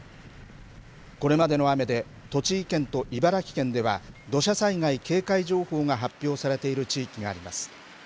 これまでの雨で、栃木県と茨城県では、土砂災害警戒情報が発表されている地域があります。